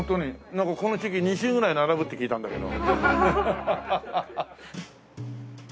なんかこの地域２周ぐらい並ぶって聞いたんだけど。